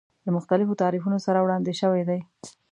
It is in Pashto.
له مختلفو تعریفونو سره وړاندې شوی دی.